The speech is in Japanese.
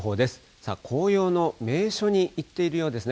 さあ、紅葉の名所に行っているようですね。